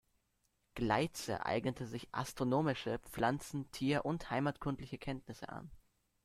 Gleitze eignete sich astronomische, pflanzen-, tier- und heimatkundliche Kenntnisse an.